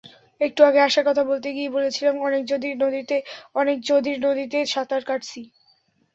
একটু আগে আশার কথা বলতে গিয়ে বলেছিলাম, অনেক যদির নদীতে সাঁতার কাটছি।